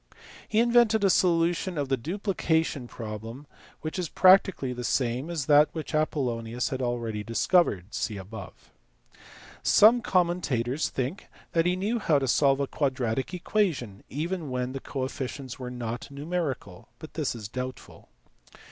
He invented a solution of the duplication problem which is practically the same as that which Apollonius had already discovered (see above, p. 82). Some commentators think that he knew how to solve a quadratic equation even when the coefficients were not numerical ; but this is doubtful.